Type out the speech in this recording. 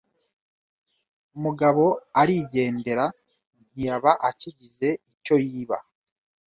Umugabo arigendera ntiyaba akigize icyo yiba